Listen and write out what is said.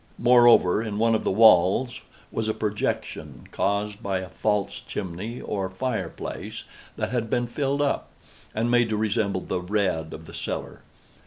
Moreover, in one of the walls was a projection, caused by a false chimney, or fireplace, that had been filled up, and made to resemble the red of the cellar.